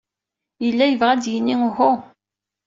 Yella yebɣa ad d-yini uhu.